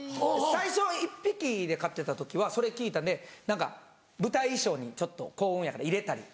最初１匹で飼ってた時はそれ聞いたんで何か舞台衣装にちょっと幸運やから入れたり。